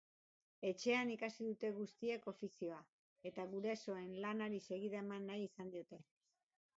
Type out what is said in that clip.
Etxean ikasi dute guztiek ofizioa eta gurasoen lanari segida eman nahi izan diote.